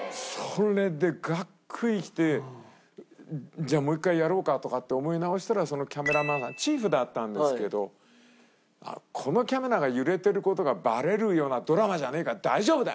じゃあもう一回やろうかとかって思い直したらそのキャメラマンがチーフだったんですけど「このキャメラが揺れてる事がバレるようなドラマじゃねえから大丈夫だよ！